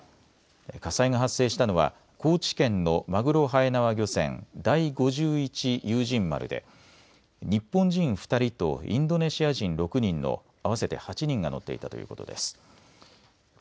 火災が発生したのは高知県の、まぐろはえなわ漁船第五十一勇仁丸で日本人２人とインドネシア人６人の合わせて８人が乗っていたということです。